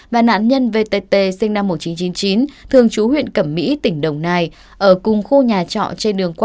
và nạn nhân vtt sinh năm một nghìn chín trăm chín mươi chín thường chú huyện cẩm mỹ tỉnh đồng nai ở cùng khu nhà trọ trên đường quốc